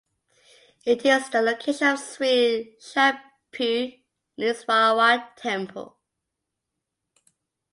It is the location of Sri Shambhu Lingeswara Temple.